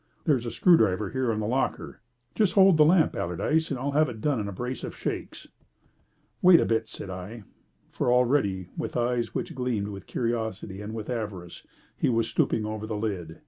There's a screwdriver here in the locker. Just hold the lamp, Allardyce, and I'll have it done in a brace of shakes." "Wait a bit," said I, for already, with eyes which gleamed with curiosity and with avarice, he was stooping over the lid.